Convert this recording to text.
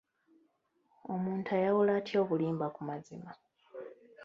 Omuntu ayawula atya obulimba ku mazima?